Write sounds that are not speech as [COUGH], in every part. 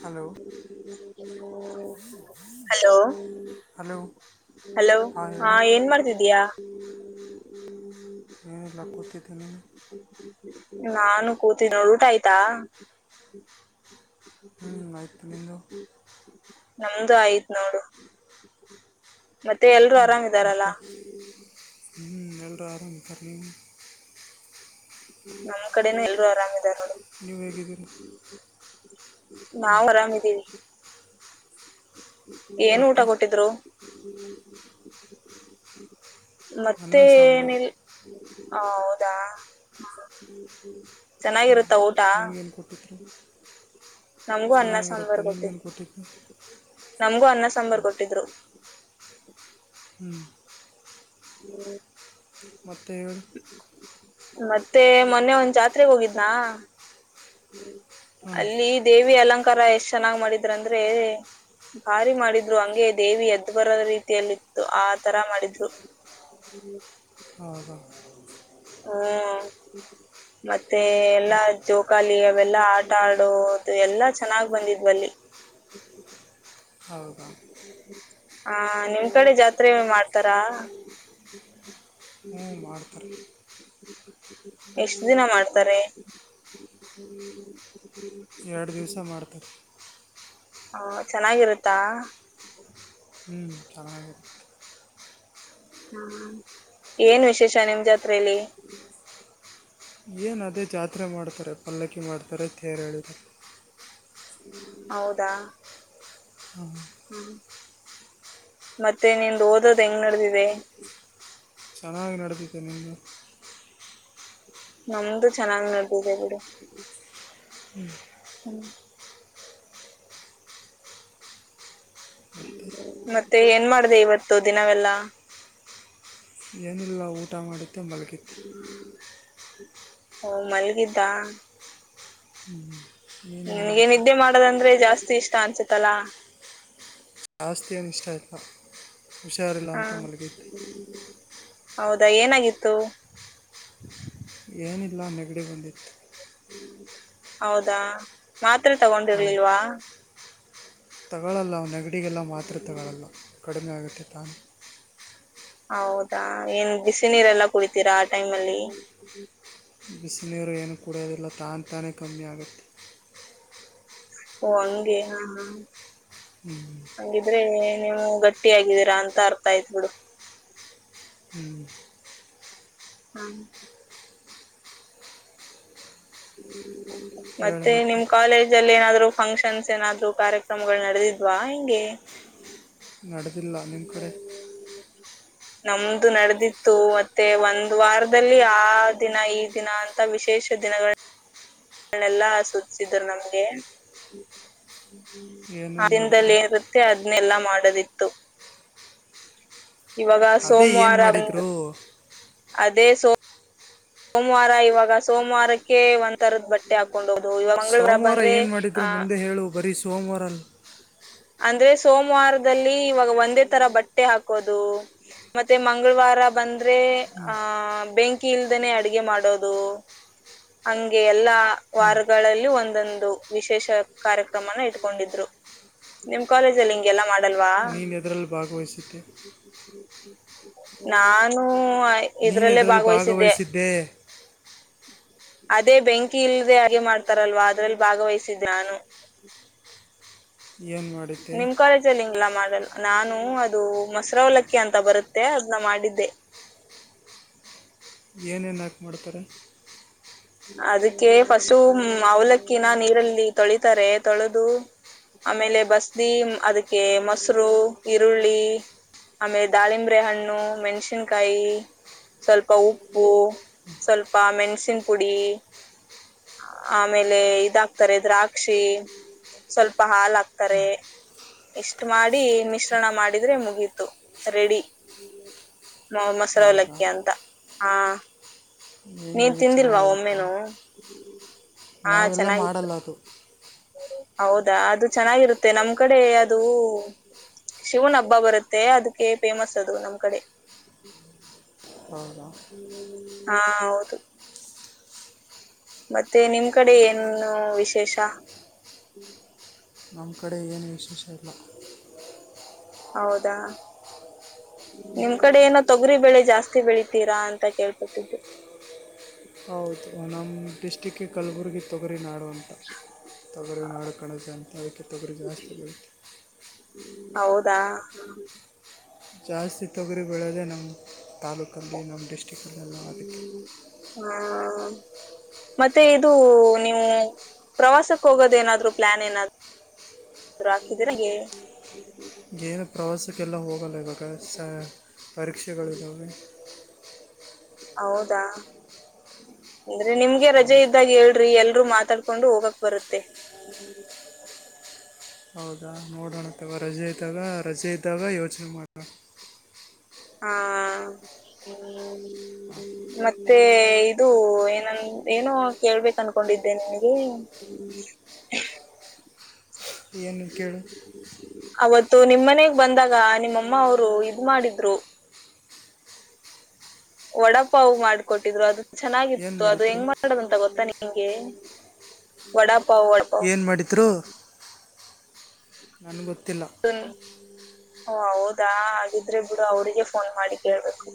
Hello ಲೋ hello hello ಹಾಂ ಹಾ ಹೇಳು ಏನ್ ಮಾಡ್ತಿದ್ದೀಯಾ. ನೀ ಲಕ್ಕುತಿದ್ದನ. ನಾನು ಕೂತೀಿ ನೋ ಊಟ ಆಯ್ತಾ. ಹ ಲೈಫ ತಿದಲ್ಲಿಿಂದಂದು. ನಮ್ದು ಆಯತ್ ನೋಡು. ಮತ್ತೆ ಎಲ್ರು ಆರಾಮ್ದಾರಲ್ಲಾ. ಮತ್ತೆ ಹ್ಞೂ ಎಲ್ಲರೂ ಆರಾಮ ಪಲಿ. ನಮ್ ಕಡೆನ ಎಲ್ರು ಆರಾಮ್ಾರ. ನೀುವೇ ಗಿದ್ದರು ಹ್ಮ. ನಾವು ಹ್ಮ್ಮ್. ಏನ್ ಊಟ ಮತ್ತೆ ಕೊಟ್ಟಿದ್ರು. ಹ್ಮ್. ಅನ್ನ ಸಾಂಬಾರು ಮತ್ತೆನಲ್ಲಿ. ಹಾ ಹೌದಾ. ಚೆನ್ನಾಗಿರುತ್ತ ಊಟ. ನಿಮಗೇನು ಕೊಟ್ಟಿದ್ರು ನಮ್ಗೂ ಅನ್ನ ಚೆನ್ನಾಗಿರುತ್ತೆ ಸಾಂಬಾರ್ ಕೊಟ್ಟಿದ್ರು ನಿಮಗೇನು ನಮಗೂ ಅನ್ನ ಸಾಂಬಾರ್ ಕೊಟ್ಟಿದ್ರು ಹ ಹ್ಮ್ ಹ್ಮ್ ಮತ್ತೇಳ ಮತ್ತೆ ಮೊನ್ನೆ ಒಂದ್ ಜಾತ್ರೆಗೆ ಹೋಗಿದ್ನಾ ಹಾಂ ಅಲ್ಲಿ ದೇವಿ ಅಲಂಕಾರ ಕಾರರ ಎಷ್ಟ್ ಚೆನ್ನಾಗ್ ಮಾಡಿದ್ರರು ಅಂದ್ರೆ ಭಾರಿ ಮಾಡಿದ್ರು ಹಂಗೆ ದೇವಿ ಎದ್ದು ಬರೋ ರೀತಿಯಲ್ಲಿತ್ತು ಆ ತರ ಮಾಡಿದ್ರು ಹೌದುಾ ಹ್ಮ ಮತ್ತೆ ಎಲ್ಲಾ ಜೋಕಾಲಿ ಅವೆಲ್ಲಾ ಆಟ ಆಡೋದು ಎಲ್ಲಾ ಚೆನ್ನಾಗ್ ಬಂದಿದ್ವಲ್ಲಿ ಹೌದಾ ಹ್ಮ್ಮ್ಮ ಹ್ಮ ಹಾ ನಿಮ್ ಕಡೆ ಜಾತ್ರೆ ಮಾಡ್ತಾರಾ ಮಾಡ್ತಾರೆ ಎಷ್ಟ ದಿನ ಮಾಡ್ತಾರೆ ಎರಡು ದಿವ್ಸ ಮಾಡ್ತಾರೆ ಹ ಚೆನ್ನಾಗಿರುತ್ತಾ ಹ್ಮ್ ಚ ಹ್ಮ ಏನ್ ವಿಶೇಷ ನಿಮ್ ಜಾತ್ರಲಿ ಏನ ಅದೇ ಜಾತ್ರೆ ಮಾಡ್ತಾರೆ ಪಲ್ಲಕ್ಕಿ ಮಾಡ್ತಾರೆ ಥೇರ್ ಹೇಳಿದ ಹೌದಾ ಹ್ಮ ಹ್ಮ ಮತ್ತೆ ನಿಮ ಓದೋದ್ ಹೆಂಗ್ ನಡ್ದಿದೆ ಚೆನ್ನಾಗಿ ನಡದತೆೆ ನಿಮಗೆ ನಮ್ದು ಚೆನ್ನಾಗಾಗಿ್ ನೋಡ್ದಿದೆ ಬಿಡು ಹ್ಮ್ ಹ್ಮ್ ಮತ್ತೆ ಮತ್ತೆ ಏನ್ ಮಾಡ್ದ ಇವತ್ತು ದಿನವೆಲ್ಲಾ ಏನಿಲ್ಲ ಊಟ ಮಾಡ ತ್ತಂಬಲಕತ್ತು ಹ ಮಲ್ಗಿದ್ದಾ ಹ್ಮ್ ನನ್ಗೆ ನಿದ್ದೆ ಮಾಡದಂದ್ರೆ ಜಾಸ್ತಿ ಸಷ್ಟಂಸ ತಲಾ ಶಾಸ್ತಿಯ ನಿಷ್ಠಯತ ಹುಷಾರಿಲ್ಲ ಹಾ ಅಂತ ಮಲಗಿದ್ದೆ ಹೌದಾ ಏನಾಗಿತ್ತು ಏನಿಲ್ಲ ನೆಗಡಿ ಬಂದಿತ್ತು ಹೌದಾ ಮತ್ ಎತ್ರ ಅವು ತಗೊಂಡಿರ್ಲಿಿಲ್ವಾ ತಗೊಳ್ಳಲ್ಲ ಅವನಡೆ ಅಡಿಗೆಲ್ಲ ಮಾತೃತೆಗಳಲ್ಲ ಕಡಿಮೆ ಆಗುತ್ತೆ ತಾ ಹೌದಾ ಏನ್ ಬಿಸಿ ನೀರೆಲ್ಲಾ ಕುಡಿತೀರಾ ಆ ಟೈಮ್ ಅಲ್ಲಿ ಬಿಸಿನೀರು ಏನು ಕುಡಿಯೋದಿಲ್ಲ ತಾನು ತಾನೇ ಕಮ್ಮಿ ಆಗುತ್ತೆ ಓ ಹಂಗೆ ನಾ ಹಂಗಿದ್ರೆ ನೀವು ಗಟ್ಟಿ ಆಗಿದ್ದೀರಾ ಅಂತ ಅರ್ಥ ಆಯ್ತ್ ಬಿಡು ಹ್ಮ್ ಹ್ಮ ಹ್ಮ್ ಮತ್ತೆ ನಿಮ್ಮ ಕಾಲೇಜ್ ಅಲ್ಲಿ ಏನಾದ್ರು ಫಂಕ್ಷನ್ಸ್ ಏನಾದ್ರು ಕಾರ್ಯಕ್ರಮಗಳು ನಡೆದಿದ್ವಾ ಹೆಂಗೆ ನಡೆದಿಲ್ಲ ನಿಮ್ಮ ಕಡೆ ನಮದು ನಡೆದಿತ್ತು ಮತ್ತೆ ಒಂದ್ ವಾರದಲ್ಲಿ ಆ ದಿನ ಈ ದಿನ ಅಂತ ವಿಶೇಷ ದಿನಗಳು ದಿನಗಳೆಲ್ಲಸೂಚಸಿದ್ರು ನಮಗೆ ಆ ಏನೇನು ಮಾಡಿದ್ರು ದಿನದಲ್ಲಿ ಏನಾಗುತ್ತೆ ಅದನ್ನಲ್ಲಾ ಮಾಡ ನಡೆದಿತ್ತು ಇವಾಗ ಅದೇ ಏನು ಸೋಮವಾರ ಅದ ಮಾಡಿದರು ಅ ಇದೆ ಸೋಮ ಸೋಮವಾರ ಇವಾಗ ಸೋಮವಾರಕ್ಕೆ ಒಂದಥರದ್ ಬಟ್ಟೆ ಹಾಕೊಂಡು ಹೋಗ ಸೋಮವಾರ ಏನು ಮಾಡಿದ್ರು ಮುಂದೆ ಹೇಳು ಬರೀಸು ಸೋಮವಾರ ಅಂದ್ರೆ ಸೋಮವಾರದಲ್ಲಿ ಇವಾಗ ಒಂದೇ ತರ ಬಟ್ಟೆ ಹಾಕೋದು ಮತ್ತೆ ಮಂಗಳವಾರ ಬಂದ್ರೆಆ ಬೆಂಕಿ ಇಲ್ದನೆ ಅಡುಗೆ ಮಾಡೋದು ಹಂಗೆ ಎಲ್ಲಾ ವಾರಗಳಲ್ಲಿ ಒಂದೊಂದು ವಿಶೇಷ ಕಾರ್ಯಕ್ರಮಗಳ ಇಟ್ಕೊಂಡಿದ್ರು ಕಾರ್ಯಕ್ರಮನ ಇಟ್ಕೊಂಡಿದ್ರು ನಿಮ್ಮ ಕಾಲೇಜ ಅಲ್ಲಿ ಹಿಂಗೆಲ್ಲಾ ಮಾಡಲ್ವಾ ನೀನ್ ಎದ್ರಲ್ಲಿ ಭಾಗವಹಿಸಿದ್ದೆ ನಾನು ನೀನು ಇದ್ರಲ್ಲೇ ಎದರಲ್ಲಿ ಭಾಗವಹಿಸಿದ್ದೆ ಅದೇ ಬೆಂಕಿ ಇಲ್ಲದೆೇ ಅಡುಗೆ ಮಾಡ್ತಾರಲ್ವಾ ಅದ್ರಲ್ಲಿ ಭಾಗವಹಿಸಿದ್ದೆ ನಾನು ಏನು ಮಾಡಿದ್ದೆ ನಿಮ್ಮ ಕಾಲೇಜಲ್ಲಿ ಹಿಂಗ ಏಲ್ಲಾ ಮಾಡಲ್ಲ ನಾನು ಅದು ಮೊಸರ ಅವಲಕ್ಕಿ ಅಂತ ಬರುತ್ತೆ ಅದನ್ನ ಮಾಡಿದ್ದೆ ಏನೇನು ಹಾಕಿ ಮಾಡ್ತಾರೆ ಅದಕ್ಕೆ ಫಸ್ಟು ಅವಲಕ್ಕಿನ ನೀರಲ್ಲಿ ತೊಳಿತಾರೆ ಅದಕ್ಕೆ ಫಸ್ಟು ಅವಲಕ್ಕಿ ನಾ ನೀರಲ್ಲಿ ತೊಳಿತಾರೆ ತೊಳೆದು ಆಮೇಲೆ ಬಸ್ದಿ ಅದಕ್ಕೆ ಮೊಸರು ಈರುಳ್ಳಿ ಆಮೇಲೆ ದಾಳಿಂಬ್ರೆ ಹಣ್ಣು ಮೆಣಸಿನಕಾಯಿ ಸ್ವಲ್ಪ ಉಪ್ಪು ಸ್ವಲ್ಪ ಮೆಣಸಿನ ಪುಡಿ ಆಮೇಲೆ ಇದ ಹಾಕತಾರೆ ದ್ರಾಕ್ಷಿ ಸ್ವಲ್ಪ ಹಾಲ ಹಾಕ್ತಾರೆ ಎಷ್ಟ ಮಾಡಿ ಮಿಶ್ರಣ ಮಾಡಿದ್ರೆ ಮುಗೀತು ರೆಡಿ ಹೌದಾ ಮೊಸರಲಕ್ಕಿ ಅಂತ ಹ ಹುಹ್ ಚೆನ್ನಾಗಿತ್ತ ಹಾ ನಾವೆಲ್ಲ ಚೆನ್ನಾಗಿತ್ತು ಮಾಡಲ್ಲ ಅದು ಹೌದಾ ಅದು ಚೆನ್ನಾಗಿರುತ್ತೆ ನಮ್ ಕಡೆ ಅದು ಶಿವನ ಹಬ್ಬ ಬರುತ್ತೆ ಅದಕ್ಕೆ ಫೇಮಸ್ ಅದು ನಮ್ ಕಡೆ ಹೌದಾ ಹ್ಮ್ ಹಾ ಹೌದು ಮತ್ತೆ ನಿಮ್ಮ ಕಡೆ ಏನು ವಿಶೇಷ ನಮ್ಮ ಕಡೆ ಏನು ವಿಶೇಷ ಇಲ್ಲ ಹೌದಾ ನಿಮ್ಮ ಕಡೆ ಏನ ಅದ ತೊಗರಿ ಬೆಳೆ ಜಾಸ್ತಿ ಬೆಳಿತೀರಾ ಅಂತ ಕೇಳ್ತೊತಿದ್ದು. ಹೌದು. ಒ. ಡಿಸ್ಟ್ರಿಕ್ಕಿಗೆ ಕಲಬುರಗಿ ತೊಗರಿ ನಾಡು ಅಂತ ತೊಗ. ಇರ ನಾಡು ಕಣಕ್ಕೆ ಅಂತ. ತಕು ಗಾಸ್ ತಗತ. ಹೌದಾ. ಜಾಸ್ತಿ ತೊಗರಿ ಬೆೋದೆೇ ನಮ್ಮ ತಾಲೂಕಲ್ಲಿ ನಮ್ಮ ಡಶ್ಟ. ಾಕ ಹು. ಹ್ಮ ಮತ್ತೆ ಇದು ನೀವು ಪ್ರವಾಸಕ್ಕೆ ಹೋಗೋದ ಏನಾದ್ರು ಪ್ಲಾನ್ ಏನಾದರು ಹಾ. ಏನು ಪ್ರವಾಸಕ್ಕೆಲ್ಲ ಹೋಗಲ್ಲೇ ಬೆ. ಪ್ರ ಸ ಪರೀಕ್ಷೆಗಳುಿದ್ದಾವೆ. ಹೌದಾ. ಅಂದ್ರೆ ನಿಮ್ಗೆ ರಜೆ ಇದ್ದಾಗ ಎಡು. ೀ ಎಲ್ರೂ ಮಾತಾಡ್ಕೊಂಡು ಹೋಗಕ್ ಬರುತ್ತೆ. ಹೌದಾ ನೋಡೋಣತ್ತವ ರಜೆ ಇದ್ದಾಗ ರಜೆ ಇದ್ದಾಗ ಯೋಚನೆ ಮಾಡ. ಹಾ ಹ ಮತ್ತೆ ಇದು ಏನನ್ ಏನೋ ಕೇಳ್ಬೇಕ ಅನ್ಕೊಂಡಿದ್ದೆ ನನ್ಗೆ. ಏನು ಕೇಳ. ಅವತ್ತು ನಿಮ್ಮ್ ಮನೆಗ್ ಬಂದಾಗ ನಿಮ್ಮಮ್ಮ ಅವರು ಇದ್ ಮಾಡಿದ್ರು. ವಡಪ ಮಾಡ್ಕೊಟ್ಟಿದ್ರು ಅದ. ಏನು ಚೆನ್ನಾಗಿತ್ತು ಅದು ಮಾಡಿದ್ರು ಹೆಂಗ್ ಮಾಡದಂತ ಗೊತ್ತ ನಿ. ನಿಗೆ ಬಡ. ಏನು ಮಾಡಿದರು. ನನಗೆ ಗೊತ್ತಿಲ್ಲ. ಹೌದಾ ಹಾಗಿದ್ರೆ ಬಿಡು ಅವ್ರಗ ಫೋನ್ ಮಾಡಿ ಕೇಳ್ಬೇಕು.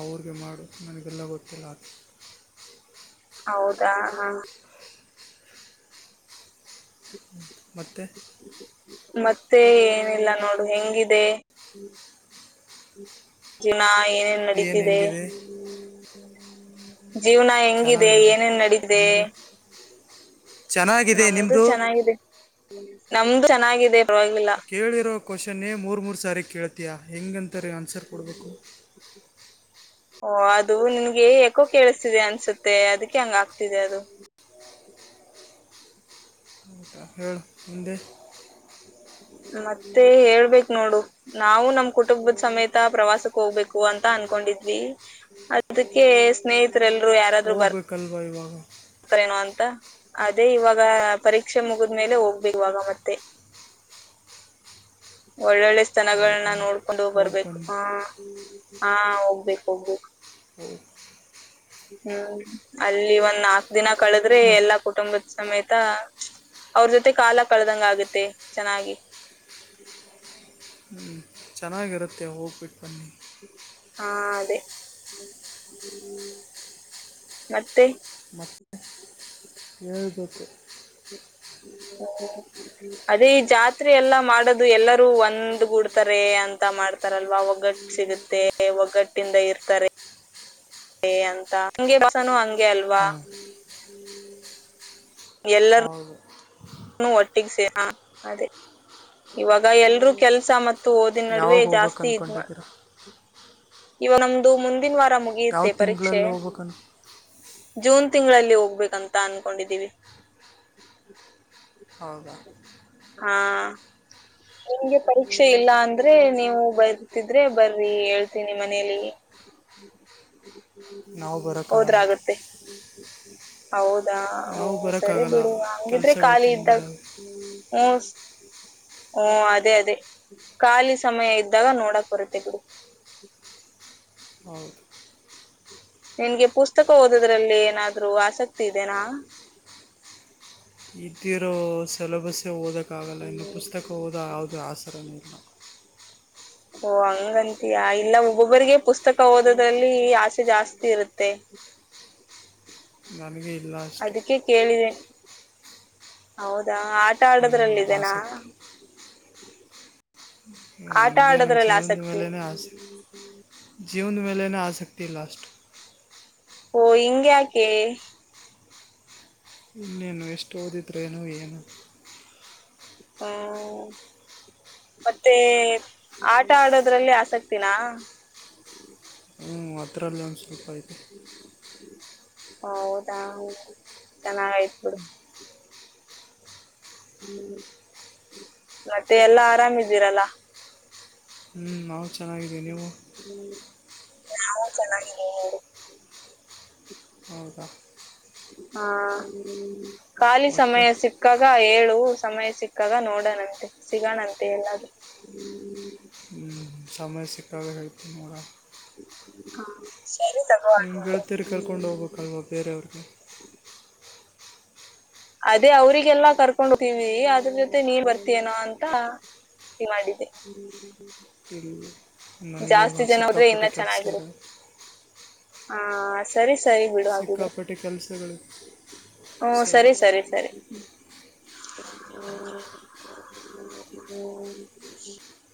ಅವಿಗೆ ಮಾಡು ನನಗೆಲ್ಲ ಗೊತ್ತಿಲ್ಲ ಆ. ಹೌದಾ ಹಾ. ಮತ್ತೆ. ಮತ್ತೆ ಏನಿಲ್ಲ ನೋಡು ಹೆಂಗಿದೆ. ಿನಾಏ. ಏನ್ ಏನು ನಡೀತಿದೆ. ಹ. ಹೆಂಗಿದೆ ಜೀವನ ಹೆಂಗಿದೆ ಚೆನ್ನಾಗಿದೆ ಏನೇನ್ ನಡಿದೆ ನಿಮ್ಮದು ಚೆನ್ನಾಗಿದೆ ನಮ್ದು ನಿಮ್ಮದು ಚೆನ್ನಾಗಿದೆ. ನಮ್ದು ಚೆನ್ನಾಗಿದೆ. ಪರವಾಗಿಲ್ಲ ಕೇಳಿರೋ ಕ್ವಶ್ನ್ೇ ಮೂರ್ ಮೂರು. ಸರಿ ಕೇಳ್ತಿಯಾ ಹೆಂಗಂತ. ತಾರೆ ಆನ್ಸರ್ ಕೊಡಬೇಕು. ಓ ಅದು ನಿನ್ಗೆ ಯಾಕೋ ಕೇಳಿಸ್ತಿದೆ ಅನ್ಸುತ್ತೆ ಅದಕ್ಕೆ ಹಂಗ ಆಗ್ತಿದೆ ಅದು ಫೇ ಹಂದ ಮತ್ತೆ ಹೇಳ್ಬೇಕ ನೋಡು ನಾವು ನಮ ಕುಟುಂಬದ ಸಮೇತ ಪ್ರವಾಸಕ್ ಹೋಗ್ಬೇಕು ಅಂತ ಅನ್ಕೊಂಡಿದ್ವಿ ಅದಕ್ಕೆ ಸ್ನೇಹಿತ ಲ್ರು ಯಾರಾದ್ರು ಹೋಗ್ಬೇಕಲ್ವ ಇವಾಗ ಬರ್ತೇನ ಅಂತ ಅದೇ ಇವಾಗ ಪರೀಕ್ಷೆ ಮುಗದ್್ಮೇಲೆ ಹೋಗ್ಬೇಕೇವಾಗ ಮತ್ತೆ ಒಳ್ಳೊಳ್ಳೆ ಜನಗಳನ್ನ ಹೌದಾ ನೋಡ್ಕೊಂಡುೋಗ್ ಹೋಗಿ ಬರ್ಬೇಕು ಬನ್ನಿ ಹಾ ಹೋಗ್ಬೇಕು ಹೋಗ್ಬೇಕು ಹ್ಮ ಹ್ಮ್ ಅಲ್ಲಿ ಒಂದ್ ನಾಕ ದಿನ ಕಳೆದ್ರೆ ಮತ್ತು ಎಲ್ಲಾ ಕುಟುಂಬದ ಸಮೇತ ಅವ್ರ ಜೊತೆ ಕಾಲ ಕಳೆದಂಗ ಆಗತ್ತೆ ಚೆನ್ನಾಗಿ ಹ್ಞೂ ಚೆನ್ನಾಗಿರುತ್ತೆ ಹೋಗ್ಬಿಟ್ಟು ಬನ್ನಿ ಹಾ ಅದೇ ಮತ್ತೆ ಹೇಳ್ಬೇಕು ಅದೇ ಈ ಜಾತ್ರೆ ಎಲ್ಲಾ ಮಾಡದು ಎಲ್ಲರೂ ಒಂದ್ಗೂಡ್ತಾರೆ ಅಂತ ಮಾಡ್ತಾರಲ್ವಾ ಒಗ್ಗಟ್ಟ ಸಿಗುತ್ತೆ ಒಗ್ಗಟ್ಟಿಂದ ಇರ್ತಾರೆ ಅ ಗೆ ಅಲ್ವಾ್ಮ ಹಾಂ ಅವ ಒಟ್ಟಿಗೆಸ ಹ ಅದೇ ಇವಾಗ ಎಲ್ರುೂ ಕೆಲ್ಸ ಮ ಓದಿನ ನಡುವೆ ಯಾವಾಗ ಹೋಗ್ಬೇಕು ಜಾಸ್ತಿ ಇದ್ಮ ಅಂದ್ಕೊಂಡಿದ್ದೀರಾ ಇವ ನಮ್ದು ಮುಂದಿನ ವಾರ ಯಾವ ಮುಗಿಯುತ್ತೆ ಪರೀಕ್ಷೆ ತಿಂಗಳಲ್ಲಿ ಹೋಗ್ಬೇಕು ಅನ್ ಜೂನ್ ತಿಂಗಳಲ್ಲಿ ಹೋಗ್ಬೇಕಂತ ಅನ್ಕೊಂಡಿದೀವಿ ಹೌದಾ ಹಾ ನಿಂಗೆ ಪರೀಕ್ಷೆ ಇಲ್ಲ ಅಂದ್ರೆ ನೀವು ಬರ್ತಿದ್ರೆ ಬರ್ರಿ ಹೇಳ್ತೀನಿ ಮನೇಲಿ ನಾವು ಬರೋಕ್ಕಾಗಲ್ಲ ಹೌದು ದಾ ನಾವು ಹ್ಮ ಸರಿ ಬರೋಕ್ಕಾಗಲ್ಲ ಬಿಡಿ ಹಂಗಿದ್ರೆ ಕೆಲಸಗಳು ಖಾಲಿ ತುಂಬ ಇದ್ದಾಗ ಇದಾವೆ ಹ್ಮ ಓ ಅದೇ ಅದೇ ಖಾಲಿ ಸಮಯ ಇದ್ದಾಗ ನೋಡಕ್ ಬರುತ್ತೆ ಬಿಡು ಹೌ ನಿನ್ಗೆ ಪುಸ್ತಕ ಓದದ್ರಲ್ಲಿ ಏನಾದ್ರರು ಆಸಕ್ತಿ ಇದೆನಾ ಇದ್ದಿರೋ ಸೆಲಬಸ್ಸೇ ಓದೋಕ್ಕಾಗಲ್ಲ ಇನ್ನು ಪುಸ್ತಕ ಓದೋ ಯಾವುದೇ ಆಸರನೂ ಇಲ್ಲ ಓ ಹಂಗಂತಯಾ ಇಲ್ಲ ಒಬ್ಬೊಬ್ಬರಿಗೆ ಪುಸ್ತಕ ಓದದ್ರಲ್ಲಿ ಆಸೆ ಜಾಸ್ತಿ ಇರುತ್ತೆ ನನಗೆ ಇಲ್ಲ ಅಷ್ಟು ಅದಕ್ಕೆ ಕೇಳಿದೆೇನೆ ಹೌದು ಆಟ ಇಲ್ಲ ಆಡದ್ರಲ್ಲ ಇದನಾ ಆಸಕ್ತಿ ನನಗೆ ನನ್ನ ಆಡೋದ್ರಲ್ಲಿ ಜೀವನದ ಮೇಲ ಆಸಕ್ತಿ ಆಸೆ ಜೀವಂದು ಮೇಲೆನ ಆಸಕ್ತಿ ಇಲ್ಲಾ ಅಷ್ಟು ಓ ಹಿಂಗ ಯಾಕೆ ನಾನೆಷ್ಟು ಓದಿದ್ರೆ ಏನು ಏನು ಹೂ ಮತ್ತೆ ಆಟ ಆಡೋದ್ರಲ್ಲಿ ಆಸಕ್ತಿನಾ ಹ್ಞೂ ಅದರಲ್ಲಿ ಒಂದು ಸ್ವಲ್ಪ ಇದೆ ಹೌದಾ ಚೆನ್ನಾಗ ಆಯ್ತು ಬಿಡು ಹ್ಮ ಮತ್ತೆ ಎಲ್ಲಾ ಆರಾಮ ಇದಿರಲ್ಲ ಹೂ ನಾವು ಚೆನ್ನಾಗಿದ್ದೀ ನೀವು ಹ್ಮ್. ನಾವು ಚೆನ್ನಾಗಿ ಇದೀವಿ ನೋಡಿ ಹೌದ ಹಾ ಖಾಲಿ ಮತ್ತೆ ಸಮಯ ಸಿಕ್ಕಾಗ ಹೇಳು ಸಮಯ ಸಿಕ್ಕಾಗ ನೋಡಣಂತೆ ಸಿಗಣಂತೆ ಎಲ್ಲಾದರೂ ಹೂ ಸಮಯ ಸಿಕ್ಕಾಗ ಹೇಳ್ತೀ ನೋಡನಾ ಹಾ, ಸರಿ ತಗೋ ನಿಮ್ಮ ಗೆಳತಿಯರು ಕರ್ಕೊಂಡು ಹೋಗ್ಬೇಕಲ್ವ ಬೇರೆಯವ್ರಿಗೆ ಅದೇ ಅವ್ರಿಗೆಲ್ಲ ಕರ್ಕೊಂಡ್ ಹೋಗ್ತೀವಿ ಅದ್ರ ಜೊತೆ ನೀನ್ ಬರ್ತೀನೋ ಅಂತ ಮಾಡಿದ್ದೆ ಇಲ್ಲಿ ನನಗೆ ಜಾಸ್ತಿ ಯಾವಾಗ ಜನ ಹೋದ್ರೆ ಸಿಕ್ಕಾಪಟ್ಟೆ ಇನ್ನ ಕೆಲಸ ಚೆನ್ನಾಗಿರುತ್ತೆ ಇದೆ ಹಾ ಸರಿ ಸರಿ ಸಿಕ್ಕಾಪಟ್ಟೆ ಕೆಲಸಗಳು ಹೂ ಸರಿ ಸಾರಿ ಸರಿ ಸರಿ ಹ್ಮ ಹ್ಮ [UNINTELLIGIBLE]